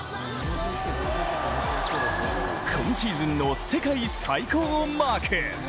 今シーズンの最高をマーク。